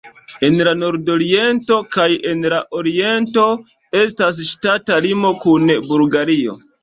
En la nordoriento kaj en la oriento estas ŝtata limo kun Bulgario.